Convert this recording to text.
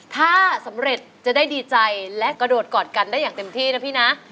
ถ้าสำเร็จจะได้ดีใจและกระโดดกอดกันได้อย่างเต็มที่นะพี่นะ